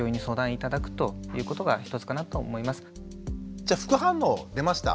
じゃあ副反応出ました。